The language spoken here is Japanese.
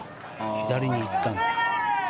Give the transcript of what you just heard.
左に行ったんだ。